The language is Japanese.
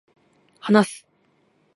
話す